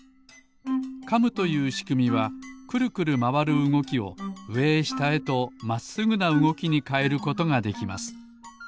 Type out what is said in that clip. カムというしくみはくるくるまわるうごきをうえへしたへとまっすぐなうごきにかえることができます。